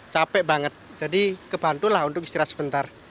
capek banget jadi kebantulah untuk istirahat sebentar